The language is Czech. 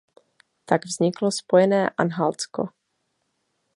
Tak vzniklo spojené Anhaltsko.